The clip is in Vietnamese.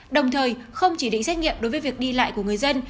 đồng thời không chỉ định xét nghiệm đối với việc đi lại của người dân